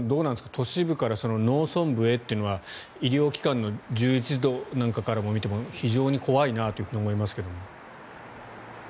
都市部から農村部へというのは医療機関の充実なんかから見ても非常に怖いなと思いますが。